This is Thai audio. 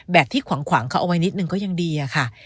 ที่ขวางเขาเอาไว้นิดนึงก็ยังดีอะค่ะ